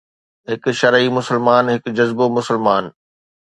هڪ شرعي مسلمان، هڪ جذبو مسلمان